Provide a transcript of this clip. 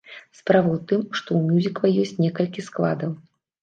Справа ў тым, што ў мюзікла ёсць некалькі складаў.